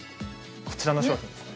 こちらの商品ですね